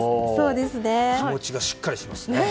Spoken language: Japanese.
気持ちがしっかりしますね。